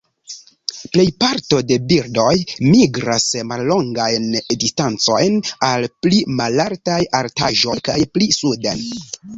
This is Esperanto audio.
Plej parto de birdoj migras mallongajn distancojn al pli malaltaj altaĵoj kaj pli suden.